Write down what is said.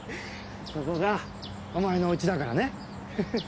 ここがお前のウチだからね。